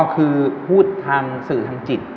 อ๋อคือพูดทำสื่อทำจิต